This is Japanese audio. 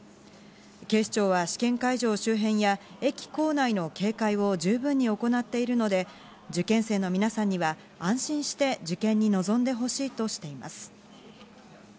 警視庁は試験会場周辺や駅構内の警戒を十分に行っているので受験生の皆さんには安心して受験に臨んでほしいとしています。